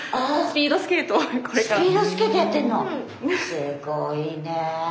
すごいね。